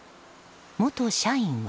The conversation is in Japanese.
元社員は。